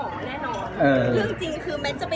โอ้ยทุกคนคะพี่สงกันเมื่อกี้ค่ะ